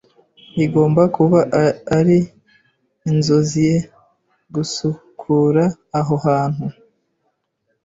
Igomba kuba ari inzozie gusukura aha hantu.